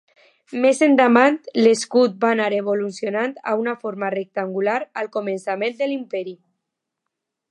Més endavant l'escut va anar evolucionant a una forma rectangular al començament de l'Imperi.